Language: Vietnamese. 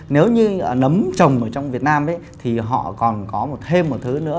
nếu như nấm trồng ở trong việt nam thì họ còn có thêm một thứ nữa